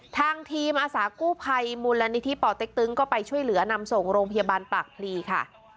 ทางทีมอาสากู้ภัยมูลนิธิป่อเต็กตึงก็ไปช่วยเหลือนำส่งโรงพยาบาลปากพลีค่ะ